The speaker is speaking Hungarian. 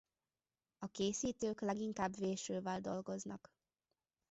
A készítők leginkább vésővel dolgoznak.